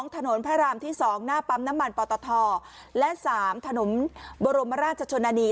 ถนนพระรามที่๒หน้าปั๊มน้ำมันปตทและ๓ถนนบรมราชชนนานี